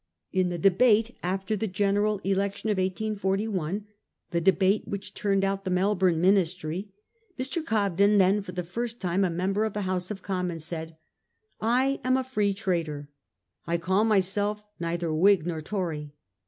In the debate after the general election of 1841, the debate which turned out the Melbourne Ministry, Mr. Cobden, then for the first time a member of the House of Commons, said :' I am a Free Trader ; I call myself neither Whig nor Tory.